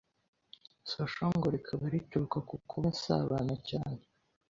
Social ngo rikaba rituruka ku kuba asabana cyane.